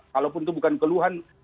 walaupun itu bukan keluhan